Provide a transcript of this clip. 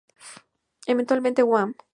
Eventualmente Wham!